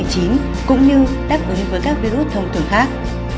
cũng như đáp ứng với các virus thông thường khác